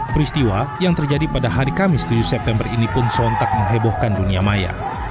peristiwa yang terjadi pada hari kamis tujuh september ini pun sontak menghebohkan dunia maya